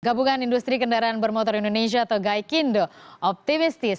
gabungan industri kendaraan bermotor indonesia atau gaikindo optimistis